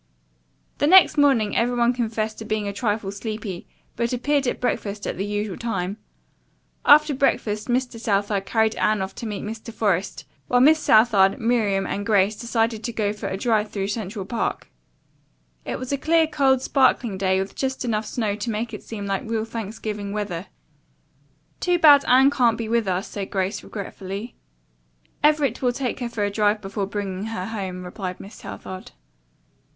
The next morning every one confessed to being a trifle sleepy, but appeared at breakfast at the usual time. After breakfast Mr. Southard carried Anne off to met Mr. Forest, while Miss Southard, Miriam and Grace decided to go for a drive through Central Park. It was a clear, cold, sparkling day with just enough snow to make it seem like real Thanksgiving weather. "Too bad Anne can't be with us," said Grace regretfully. "Everett will take her for a drive before bringing her home," replied Miss Southard.